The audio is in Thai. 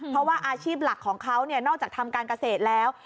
เพราะว่าอาชีพหลักของเขานอกจากทำการเกษตรแล้ว